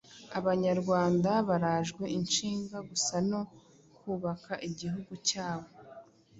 Abanyarwanda barajwe ishinga gusa no kubaka igihugu cyabo